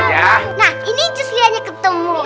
nah ini just lianya ketemu